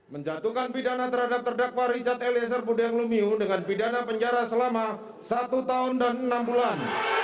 menjatuhkan pidana terhadap terdakwa richard eliezer budiang lumiu dengan pidana penjara selama satu tahun dan enam bulan